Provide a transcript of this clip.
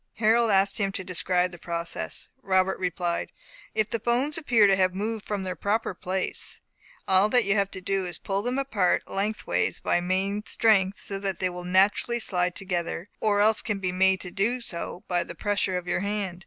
Harold asked him to describe the process. Robert replied, "If the bones appear to have moved from their proper place, all that you have to do is to pull them apart lengthways by main strength so that they will naturally slide together, or else can be made to do so by the pressure of your hand.